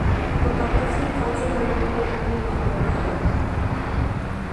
Compartió su infancia con un hermano mayor, Gerard.